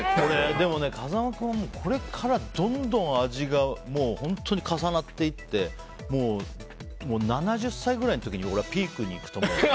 でもね、風間君これからどんどん味が重なっていって７０歳ぐらいの時にピークにいくと思う。